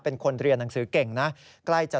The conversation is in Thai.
เป็นคนเรียนหนังสือเก่งนะ